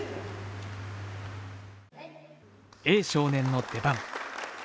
Ａ少年の出番。